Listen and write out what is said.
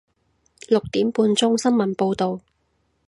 六點半鐘新聞報道